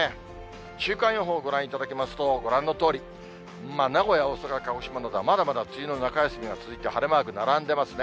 週間予報ご覧いただきますと、ご覧のとおり、名古屋、大阪、鹿児島などは、まだまだ梅雨の中休みが続いて晴れマーク、並んでいますね。